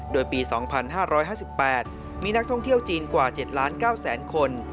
โดยปี๒๕๕๘มีนักท่องเที่ยวจีนกว่า๗๙๐๐คน